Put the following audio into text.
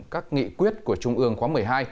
các nghị quyết của trung ương khóa một mươi hai